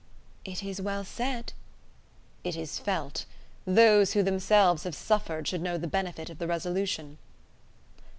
"It is well said." "It is felt. Those who themselves have suffered should know the benefit of the resolution."